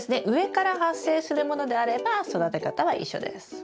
上から発生するものであれば育て方は一緒です。